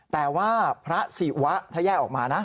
แต่ว่าพระศิวะถ้าแยกออกมานะ